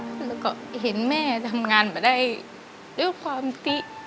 แล้วก็เห็นแม่ทำงานมาได้ด้วยความติ